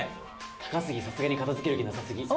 「高杉さすがに片付ける気なさすぎ」